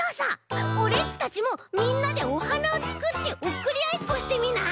オレっちたちもみんなでおはなをつくっておくりあいっこしてみない？